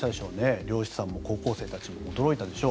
漁師さんも高校生たちも驚いたでしょう。